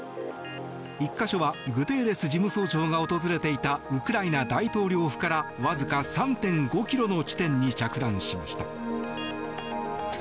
１か所はグテーレス事務総長が訪れていたウクライナ大統領府からわずか３．５ｋｍの地点に着弾しました。